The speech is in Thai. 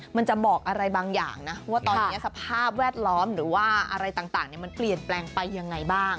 มันจะบอกอะไรบางอย่างนะว่าตอนนี้สภาพแวดล้อมหรือว่าอะไรต่างมันเปลี่ยนแปลงไปยังไงบ้าง